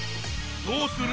どうする？